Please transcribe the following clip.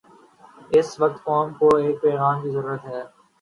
اس وقت قوم کو ایک پیغام کی ضرورت ہے۔